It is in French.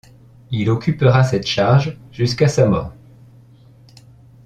Il occupera cette charge jusqu’à sa mort.